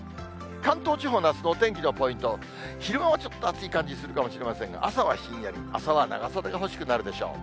関東地方のあすのお天気のポイント、昼間はちょっと暑い感じするかもしれませんが、朝はひんやり、朝は長袖が欲しくなるでしょう。